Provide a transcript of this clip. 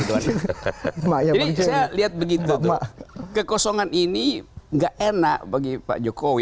jadi saya lihat begitu kekosongan ini nggak enak bagi pak jokowi